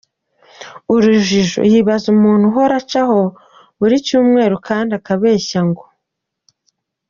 urujijo, yibaza umuntu uhora aca aho buri Cyumweru kandi akabeshya ngo.